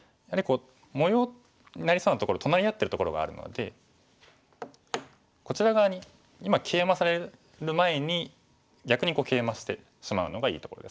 模様になりそうなところ隣り合ってるところがあるのでこちら側に今ケイマされる前に逆にケイマしてしまうのがいいところですね。